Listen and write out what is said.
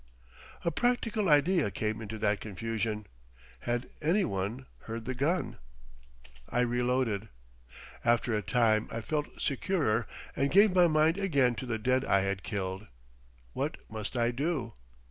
A practical idea came into that confusion. Had any one heard the gun? I reloaded. After a time I felt securer, and gave my mind again to the dead I had killed. What must I do?